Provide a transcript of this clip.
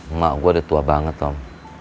emak gue udah tua banget om